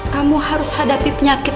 kamu harus hadapi penyakit